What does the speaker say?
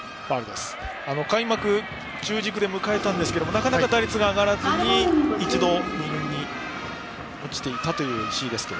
開幕を中軸で迎えたんですがなかなか打率が上がらずに一度、２軍に落ちていたという石井です。